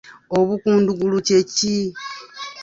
Obukundugulu kye ki?